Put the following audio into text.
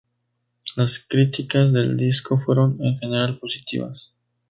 Las críticas del disco fueron en general positivas.